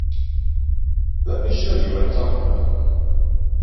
Let me show you what I'm talking about.